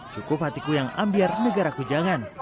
cukup hatiku yang ambiar negara kujangan